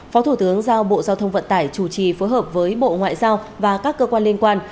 phó thủ tướng giao bộ giao thông vận tải chủ trì phối hợp với bộ ngoại giao và các cơ quan liên quan